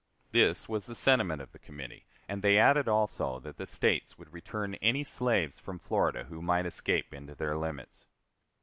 This was the sentiment of the committee, and they added, also, that the States would return any slaves from Florida who might escape into their limits.